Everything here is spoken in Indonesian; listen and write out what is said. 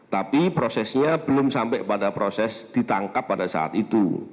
tapi prosesnya belum sampai pada proses ditangkap pada saat itu